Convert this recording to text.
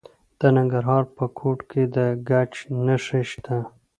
د ننګرهار په کوټ کې د ګچ نښې شته.